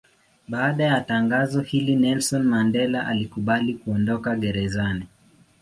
Baada ya tangazo hili Nelson Mandela alikubali kuondoka gerezani.